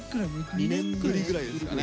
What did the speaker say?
２年ぶりぐらいですかね。